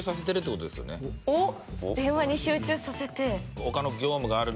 おっ電話に集中させて。